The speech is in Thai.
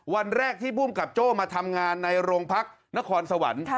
วันแรกที่ภูมิกับโจ้มาทำงานในโรงพักนครสวรรค์